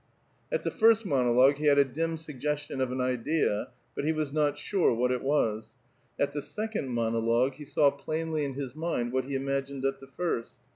At the first monologue he had a dim suggestion of an idea, but he was not sure what it was ; at the second monologue he saw plainly in his mind what he imagined at the first.